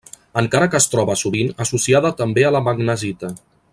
Encara que es troba, sovint, associada també a la magnesita.